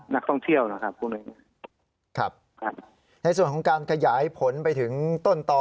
นักท่องเที่ยวนะครับพูดแบบนี้ครับครับในส่วนของการขยายผลไปถึงต้นต่อ